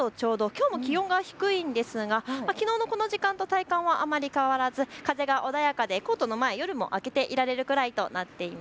きょうも気温が低いですがきのうのこの時間と体幹はあまり変わらず風が穏やかでコートの前は夜も開けていられるくらいです。